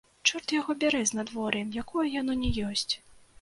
Чорт яго бяры з надвор'ем, якое яно ні ёсць!